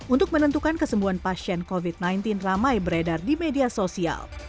untuk menentukan kesembuhan pasien covid sembilan belas ramai beredar di media sosial